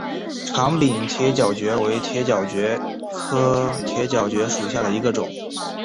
长柄铁角蕨为铁角蕨科铁角蕨属下的一个种。